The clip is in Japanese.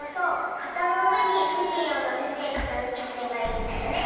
かたのうえにふきんをのせてかたぬきすればいいんだよね！